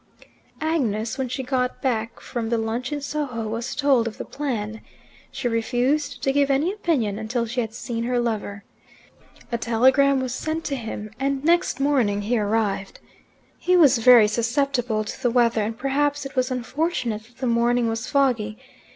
Agnes, when she got back from the lunch in Soho, was told of the plan. She refused to give any opinion until she had seen her lover. A telegram was sent to him, and next morning he arrived. He was very susceptible to the weather, and perhaps it was unfortunate that the morning was foggy.